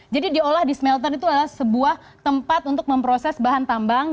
jadi diolah di smelter itu adalah sebuah tempat untuk memproses bahan tambang